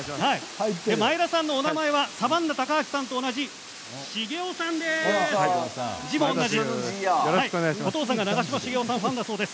前田さんのお名前はサバンナ高橋さんと同じ字も同じ茂雄さんです。